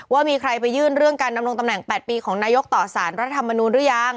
ว่ามีใครไปยื่นเรื่องการดำรงตำแหน่ง๘ปีของนายกต่อสารรัฐธรรมนูลหรือยัง